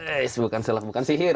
eis bukan selap bukan sihir